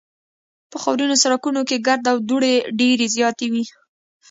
په خاورینو سړکونو کې ګرد او دوړې ډېرې زیاتې وې